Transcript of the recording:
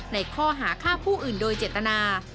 ในข้อหาฆ่าผู้อื่นโดยเจตนา